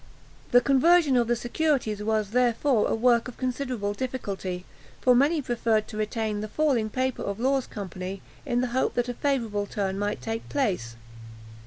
The conversion of the securities was, therefore, a work of considerable difficulty; for many preferred to retain the falling paper of Law's Company, in the hope that a favourable turn might take place.